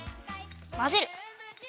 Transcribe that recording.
まぜる。